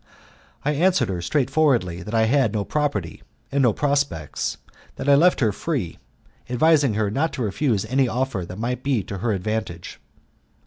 I answered her straightforwardly that I had no property and no prospects, that I left her free, advising her not to refuse any offer which might be to her advantage.